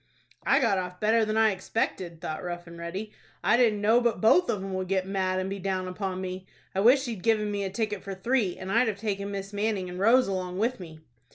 "I got off better than I expected," thought Rough and Ready. "I didn't know but both of 'em would get mad, and be down upon me. I wish he'd given me a ticket for three, and I'd have taken Miss Manning and Rose along with me."